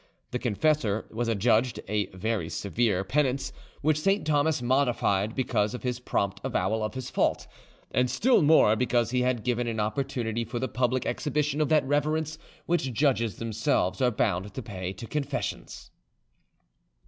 The confessor was adjudged a very severe penance, which Saint Thomas modified because of his prompt avowal of his fault, and still more because he had given an opportunity for the public exhibition of that reverence which judges themselves are bound to pay to confessions.